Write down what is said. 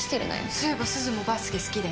そういえばすずもバスケ好きだよね？